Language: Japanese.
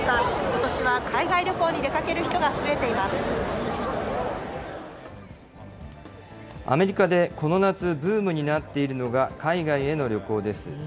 ことしは海外旅行に出かける人がアメリカでこの夏、ブームになっているのが、海外への旅行です。